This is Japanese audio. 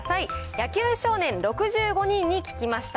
野球少年６５人に聞きました。